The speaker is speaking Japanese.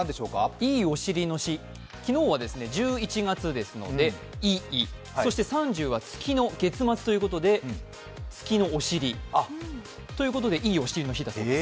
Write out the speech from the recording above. いいおしりの日、昨日は１１月ですので「いい」、そして３０は月末ということで、月のお尻、いいおしりの日だそうです。